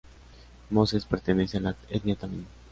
Moses pertenece a la etnia tamil.